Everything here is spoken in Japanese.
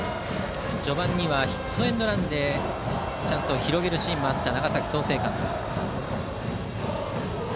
序盤はヒットエンドランでチャンスを広げるシーンもあった長崎・創成館です。